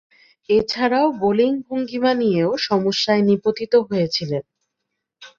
এছাড়াও, বোলিং ভঙ্গীমা নিয়েও সমস্যায় নিপতিত হয়েছিলেন।